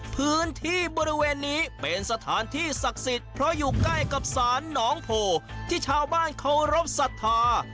พื้นที่บริเวณนี้เป็นสถานที่ศักดิ์สิทธิ์เพราะอยู่ใกล้กับศาลหนองโพที่ชาวบ้านเคารพสัทธา